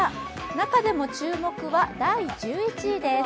中でも注目は第１１位です。